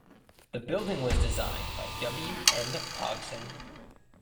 The building was designed by W. N. Pogson.